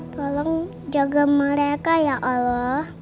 tolong jaga mereka ya allah